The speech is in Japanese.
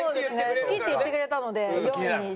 好きって言ってくれたので４位にしました。